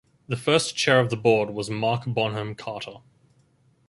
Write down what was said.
The first chair of the board was Mark Bonham Carter.